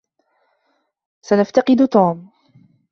سنفتقد توم.